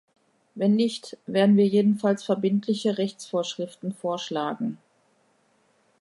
Wenn nicht, werden wir jedenfalls verbindliche Rechtsvorschriften vorschlagen.